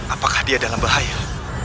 apakah dia dalam berakhir